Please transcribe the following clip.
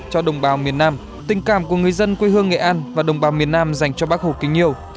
cho đồng bào miền nam tình cảm của người dân quê hương nghệ an và đồng bào miền nam dành cho bác hồ kính yêu